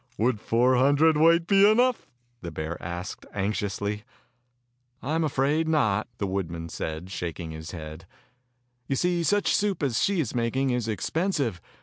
"Would four hundred weight be enough " the bear asked anxiously. "I'm afraid not," the woodman said. 104 Fairy Tale Bears shaking his head. "You see such a soup as she is making is expensive.